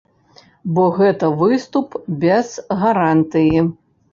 Бо гэта выступ без гарантыі.